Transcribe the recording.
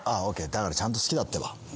「だからちゃんと好きだってば」